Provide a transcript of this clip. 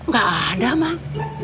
gak ada mak